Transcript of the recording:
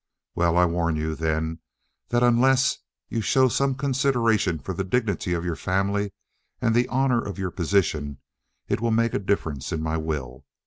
"Well, I warn you, then, that, unless you show some consideration for the dignity of your family and the honor of your position it will make a difference in my will.